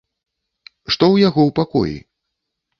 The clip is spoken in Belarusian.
Што ў яго ў пакоі?